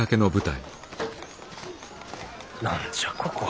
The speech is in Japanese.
何じゃここは。